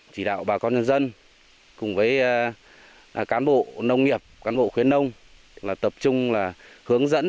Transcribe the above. chỉ đạo bà con nhân dân cùng với cán bộ nông nghiệp cán bộ khuyến nông là tập trung là hướng dẫn